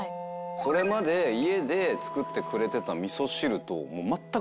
それまで家で作ってくれていた味噌汁と。